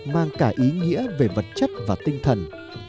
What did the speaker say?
mang cả ý nghĩa về vật chất và tinh thần